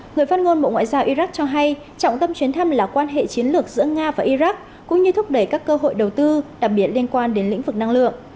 người phát ngôn bộ ngoại giao iraq cho hay trọng tâm chuyến thăm là quan hệ chiến lược giữa nga và iraq cũng như thúc đẩy các cơ hội đầu tư đặc biệt liên quan đến lĩnh vực năng lượng